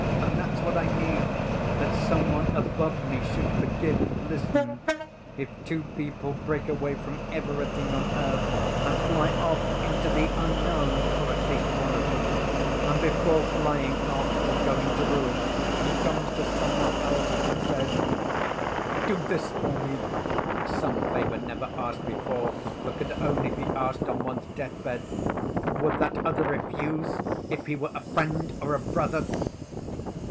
And that's what I need, that some one above me should forgive. Listen! If two people break away from everything on earth and fly off into the unknown, or at least one of them, and before flying off or going to ruin he comes to some one else and says, 'Do this for me'—some favor never asked before that could only be asked on one's deathbed—would that other refuse, if he were a friend or a brother?"